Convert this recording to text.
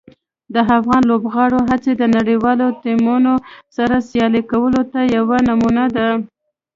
د افغان لوبغاړو هڅې د نړیوالو ټیمونو سره سیالي کولو ته یوه نمونه ده.